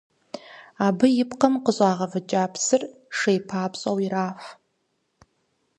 Абы и пкъым къыщӏагъэвыкӏа псыр шей папщӏэуи ираф.